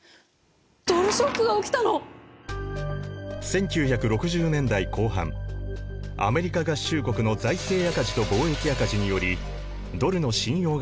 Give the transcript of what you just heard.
１９６０年代後半アメリカ合衆国の財政赤字と貿易赤字によりドルの信用が低下。